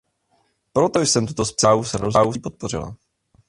Proto jsem tuto zprávu s radostí podpořila.